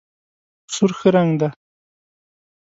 سور ښه رنګ دی.